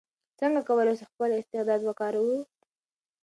څنګه کولای سو خپل استعداد وکاروو؟